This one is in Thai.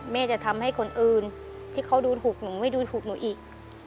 แม่จะทำให้คนอื่นที่เขาดูถูกหนูไม่ดูถูกหนูอีก